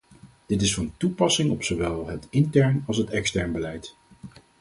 Dit is van toepassing op zowel het intern als het extern beleid.